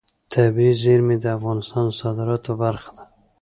طبیعي زیرمې د افغانستان د صادراتو برخه ده.